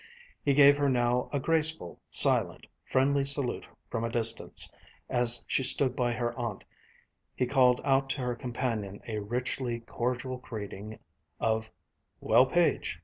He gave her now a graceful, silent, friendly salute from a distance as she stood by her aunt, he called out to her companion a richly cordial greeting of "Well, Page.